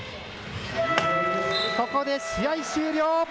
ここで試合終了。